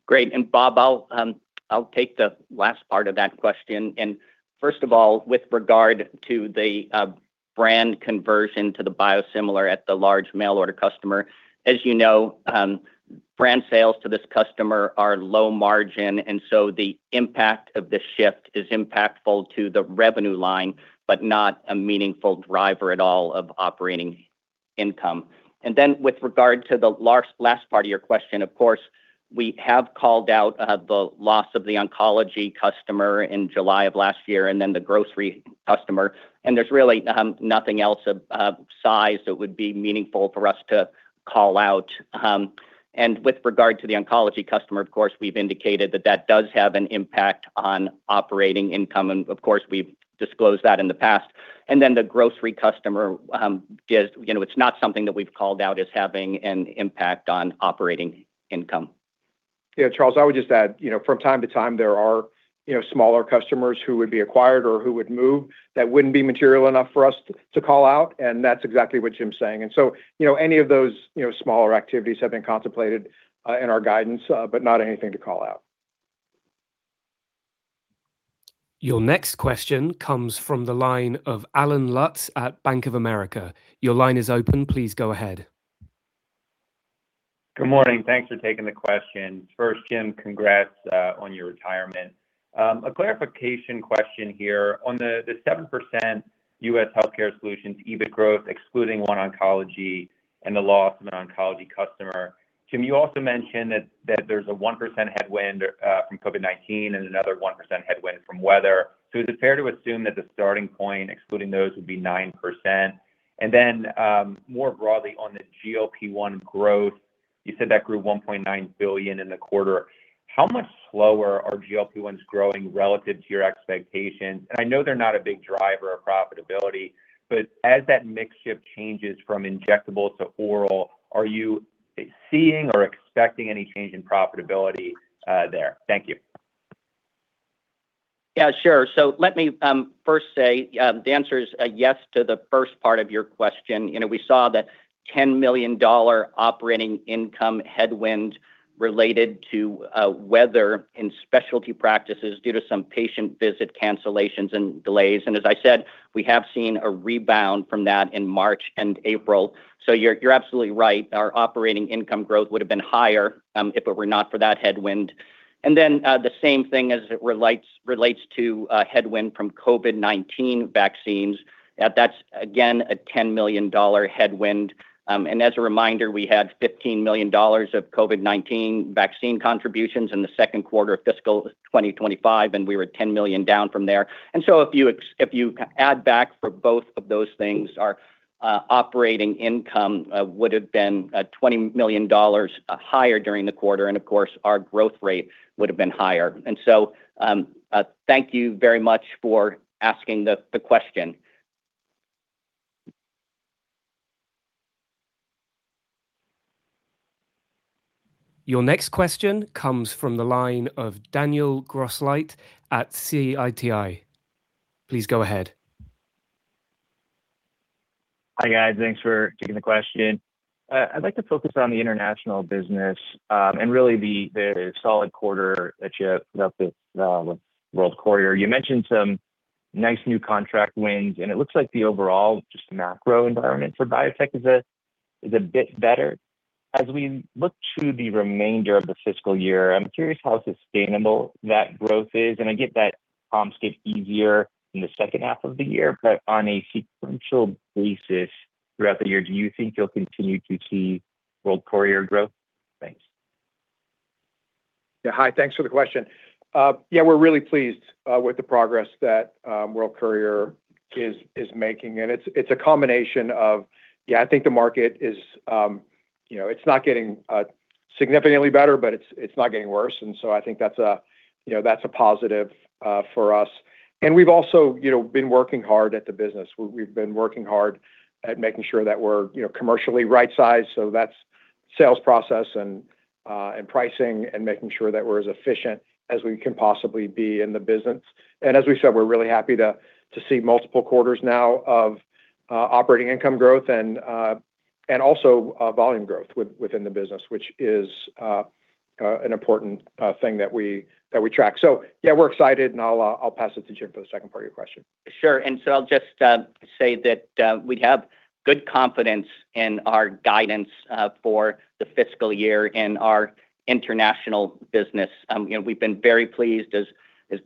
Great. Bob, I'll take the last part of that question. First of all, with regard to the brand conversion to the biosimilar at the large mail order customer, as you know, brand sales to this customer are low margin, and so the impact of the shift is impactful to the revenue line, but not a meaningful driver at all of operating income. Then, with regard to the last part of your question, of course, we have called out the loss of the oncology customer in July of last year and then the grocery customer, and there's really nothing else of size that would be meaningful for us to call out. With regard to the oncology customer, of course, we've indicated that that does have an impact on operating income, and of course, we've disclosed that in the past. The grocery customer is, you know, it's not something that we've called out as having an impact on operating income. Yeah, Charles, I would just add, you know, from time to time, there are, you know, smaller customers who would be acquired or who would move that wouldn't be material enough for us to call out, and that's exactly what Jim's saying. You know, any of those, you know, smaller activities have been contemplated in our guidance, but not anything to call out. Your next question comes from the line of Allen Lutz at Bank of America. Your line is open. Please go ahead. Good morning. Thanks for taking the question. First, Jim, congrats on your retirement. A clarification question here. On the 7% U.S. Healthcare Solutions EBIT growth, excluding OneOncology and the loss of an oncology customer, Jim, you also mentioned there's a 1% headwind from COVID-19 and another 1% headwind from weather. Is it fair to assume that the starting point, excluding those, would be 9%? More broadly on the GLP-1 growth, you said that grew $1.9 billion in the quarter. How much slower are GLP-1s growing relative to your expectations? I know they're not a big driver of profitability, as that mix shift changes from injectable to oral, are you seeing or expecting any change in profitability there? Thank you. Yeah, sure. Let me first say, the answer is a yes to the first part of your question. You know, we saw that $10 million operating income headwind related to weather in specialty practices due to some patient visit cancellations and delays. As I said, we have seen a rebound from that in March and April. You're absolutely right, our operating income growth would have been higher if it were not for that headwind. The same thing as it relates to headwind from COVID-19 vaccines. That's again a $10 million headwind. As a reminder, we had $15 million of COVID-19 vaccine contributions in the second quarter of fiscal 2025; we were $10 million down from there. If you add back for both of those things, our operating income would have been $20 million higher during the quarter, and of course, our growth rate would have been higher. Thank you very much for asking the question. Your next question comes from the line of Daniel Grosslight at Citi. Please go ahead. Hi, guys. Thanks for taking the question. I'd like to focus on the international business, and really, the solid quarter that you put up with World Courier. You mentioned some nice new contract wins, and it looks like the overall just macro environment for biotech is a bit better. As we look to the remainder of the fiscal year, I'm curious how sustainable that growth is, and I get that comps get easier in the second half of the year. On a sequential basis throughout the year, do you think you'll continue to see World Courier growth? Thanks. Hi, thanks for the question. We're really pleased with the progress that World Courier is making. It's a combination of I think the market is not getting significantly better, but it's not getting worse. I think that's a positive for us. We've also been working hard at the business. We've been working hard at making sure that we're commercially right-sized, that's sales process and pricing and making sure that we're as efficient as we can possibly be in the business. As we said, we're really happy to see multiple quarters now of operating income growth and also volume growth within the business, which is an important thing that we track. Yeah, we're excited, and I'll pass it to Jim for the second part of your question. Sure. I'll just say that we have good confidence in our guidance for the fiscal year in our international business. You know, we've been very pleased as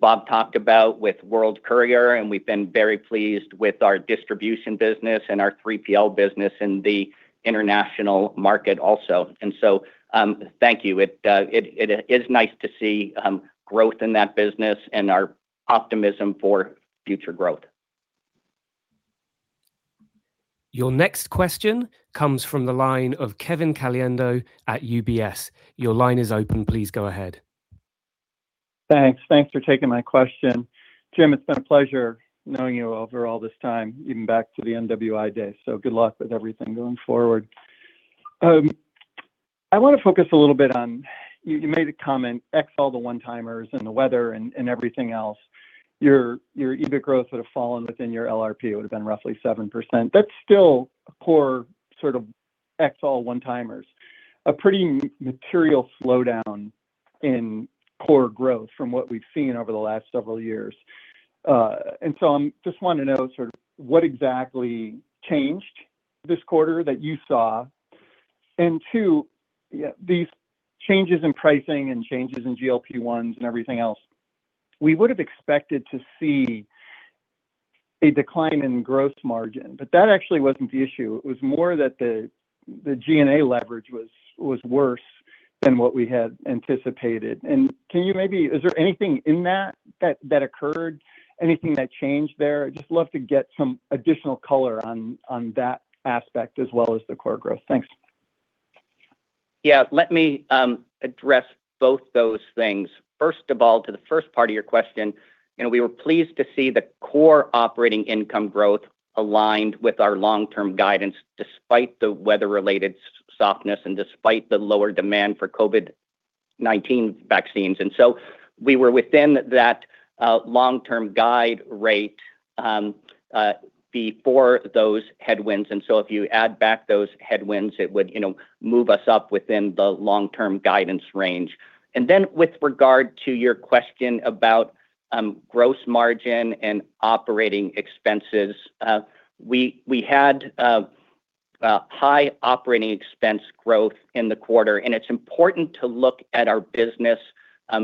Bob talked about with World Courier, and we've been very pleased with our distribution business and our 3PL business in the international market also. Thank you. It is nice to see growth in that business and our optimism for future growth. Your next question comes from the line of Kevin Caliendo at UBS. Your line is open. Please go ahead. Thanks. Thanks for taking my question. Jim, it's been a pleasure knowing you over all this time, even back to the MWI days, so good luck with everything going forward. I wanna focus a little bit on you made a comment, ex all the one-timers and the weather and everything else, your EBIT growth would have fallen within your LRP. It would've been roughly 7%. That's still a poor sort of ex, all one-timers. A pretty material slowdown in core growth from what we've seen over the last several years. I'm just wanting to know, sort of, what exactly changed this quarter that you saw. Two, yeah, these changes in pricing and changes in GLP-1s and everything else, we would've expected to see a decline in gross margin, but that actually wasn't the issue. It was more that the G&A leverage was worse than what we had anticipated. Is there anything in that that occurred? Anything that changed there? I'd just love to get some additional color on that aspect, as well as the core growth. Thanks. Let me address both those things. First of all, to the first part of your question, you know, we were pleased to see the core operating income growth aligned with our long-term guidance despite the weather-related softness and despite the lower demand for COVID-19 vaccines. We were within that long-term guide rate before those headwinds. If you add back those headwinds, it would, you know, move us up within the long-term guidance range. With regard to your question about gross margin and operating expenses, we had a high operating expense growth in the quarter, and it's important to look at our business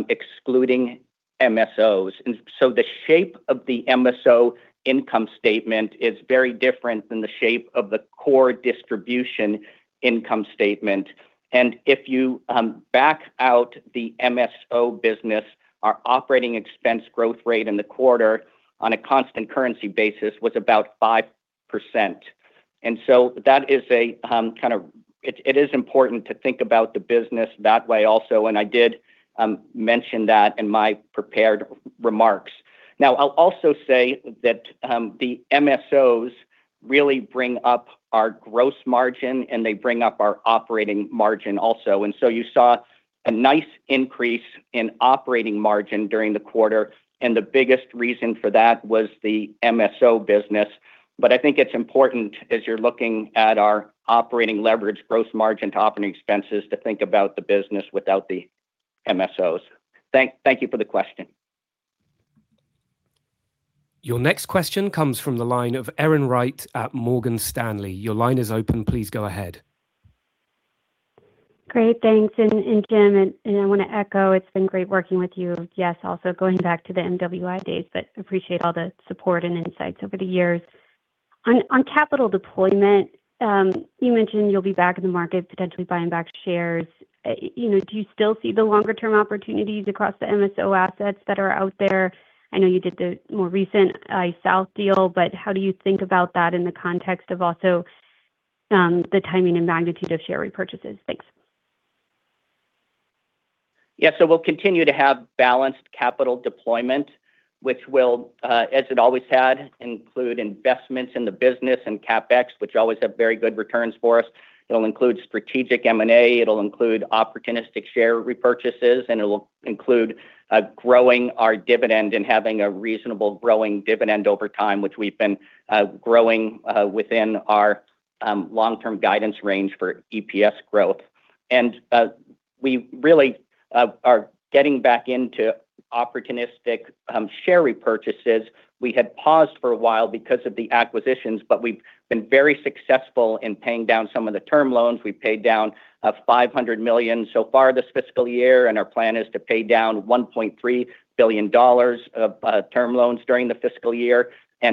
excluding MSOs. The shape of the MSO income statement is very different than the shape of the core distribution income statement. If you back out the MSO business, our operating expense growth rate in the quarter on a constant currency basis was about 5%. It is important to think about the business that way also, and I did mention that in my prepared remarks. I'll also say that the MSOs really bring up our gross margin, and they bring up our operating margin, also. You saw a nice increase in operating margin during the quarter, and the biggest reason for that was the MSO business. I think it's important, as you're looking at our operating leverage gross margin to operating expenses, to think about the business without the MSOs. Thank you for the question. Your next question comes from the line of Erin Wright at Morgan Stanley. Your line is open. Please go ahead. Great. Thanks. Jim, I wanna echo, it's been great working with you. Yes, also going back to the MWI days, but appreciate all the support and insights over the years. On capital deployment, you mentioned you'll be back in the market, potentially buying back shares. You know, do you still see the longer-term opportunities across the MSO assets that are out there? I know you did the more recent EyeSouth deal, but how do you think about that in the context of also the timing and magnitude of share repurchases? Thanks. We'll continue to have balanced capital deployment, which will, as it always had, include investments in the business and CapEx, which always have very good returns for us. It'll include strategic M&A, it'll include opportunistic share repurchases, and it'll include growing our dividend and having a reasonable growing dividend over time, which we've been growing within our long-term guidance range for EPS growth. We really are getting back into opportunistic share repurchases. We had paused for a while because of the acquisitions, but we've been very successful in paying down some of the term loans. We paid down $500 million so far this fiscal year, and our plan is to pay down $1.3 billion of term loans during the fiscal year.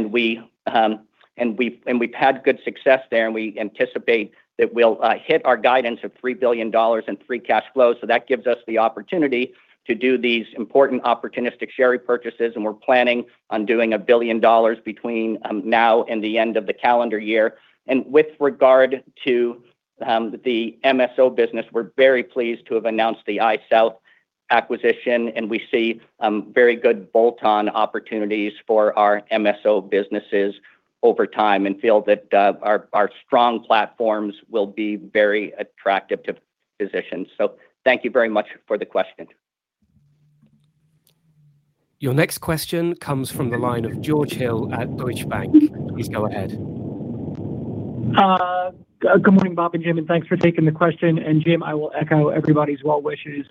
We've had good success there, and we anticipate that we'll hit our guidance of $3 billion in free cash flow. That gives us the opportunity to do these important opportunistic share repurchases, and we're planning on doing $1 billion between now and the end of the calendar year. With regard to the MSO business, we're very pleased to have announced the EyeSouth acquisition, and we see very good bolt-on opportunities for our MSO businesses over time and feel that our strong platforms will be very attractive to physicians. Thank you very much for the question. Your next question comes from the line of George Hill at Deutsche Bank. Please go ahead. Good morning, Bob and Jim, thanks for taking the question. Jim, I will echo everybody's well wishes.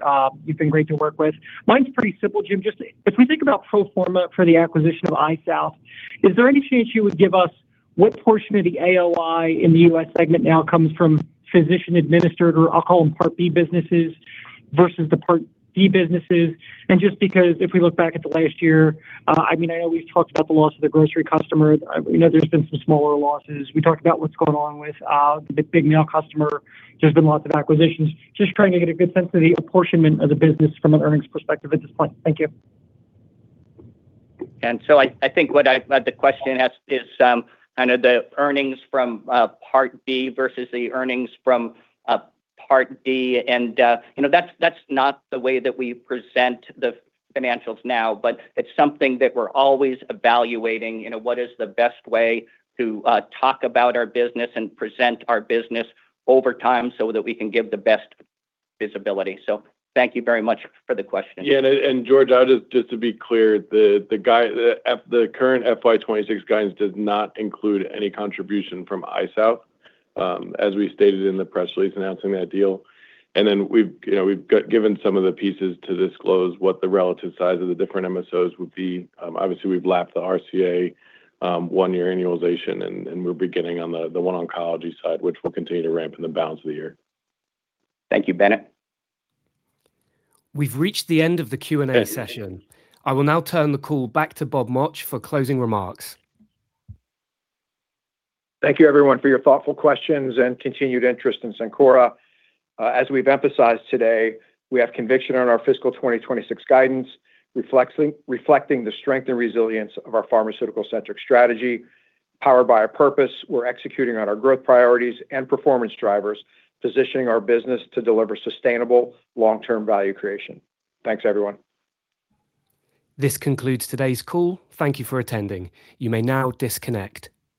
You've been great to work with. Mine's pretty simple, Jim. Just if we think about pro forma for the acquisition of EyeSouth, is there any chance you would give us what portion of the AOI in the U.S. segment now comes from physician-administered, or I'll call them Part B businesses, versus the Part D businesses? Just because if we look back at the last year, I mean, I know we've talked about the loss of the grocery customer. We know there's been some smaller losses. We talked about what's going on with the big mail customer. There's been lots of acquisitions. Just trying to get a good sense of the apportionment of the business from an earnings perspective at this point. Thank you. I think what the question asked is, kind of, the earnings from Part B versus the earnings from Part D. You know, that's not the way that we present the financials now, but it's something that we're always evaluating, you know, what is the best way to talk about our business and present our business over time so that we can give the best visibility. Thank you very much for the question. Yeah, George, I just to be clear, the current FY 2026 guidance does not include any contribution from EyeSouth, as we stated in the press release announcing that deal. We've given some of the pieces to disclose what the relative size of the different MSOs would be. Obviously, we've lapped the RCA, one-year annualization, and we're beginning on the OneOncology side, which will continue to ramp in the balance of the year. Thank you, Bennett. We've reached the end of the Q&A session. I will now turn the call back to Bob Mauch for closing remarks. Thank you, everyone, for your thoughtful questions and continued interest in Cencora. As we've emphasized today, we have conviction on our fiscal 2026 guidance, reflecting the strength and resilience of our pharmaceutical-centric strategy. Powered by a purpose, we're executing on our growth priorities and performance drivers, positioning our business to deliver sustainable long-term value creation. Thanks, everyone. This concludes today's call. Thank you for attending. You may now disconnect.